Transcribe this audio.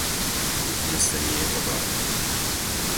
Uznesenie o Barme